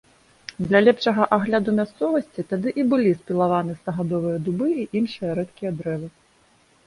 Для лепшага агляду мясцовасці тады і былі спілаваны стагадовыя дубы і іншыя рэдкія дрэвы.